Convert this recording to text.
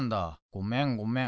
ごめんごめん。